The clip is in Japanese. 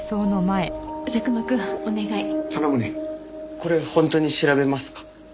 これ本当に調べますか？